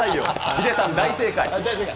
ヒデさん、大正解。